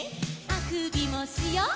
「あくびもしよう」